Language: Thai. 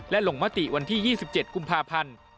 และลงมติวันที่๒๗กุมภาพันธ์